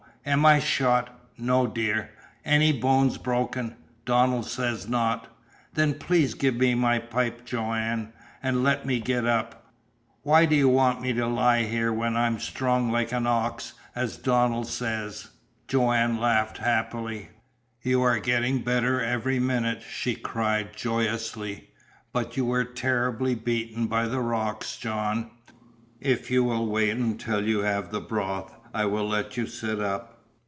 "Am I shot?" "No, dear." "Any bones broken?" "Donald says not." "Then please give me my pipe, Joanne and let me get up. Why do you want me to lie here when I'm strong like an ox, as Donald says?" Joanne laughed happily. "You are getting better every minute," she cried joyously. "But you were terribly beaten by the rocks, John. If you will wait until you have the broth I will let you sit up."